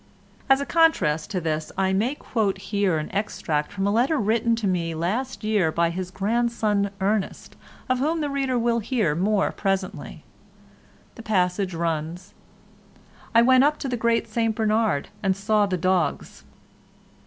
As a contrast to this, I may quote here an extract from a letter written to me last year by his grandson Ernest, of whom the reader will hear more presently. The passage runs: "I went up to the Great St Bernard and saw the dogs."